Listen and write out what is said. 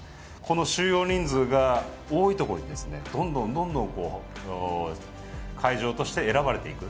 収容人数が多いところにどんどん会場として選ばれていく。